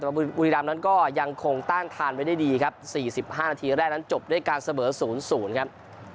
แต่ว่าบุรีรามนั้นก็ยังคงต้านทานไว้ได้ดีครับสี่สิบห้านาทีแรกนั้นจบด้วยการเสบอศูนย์ศูนย์ครับ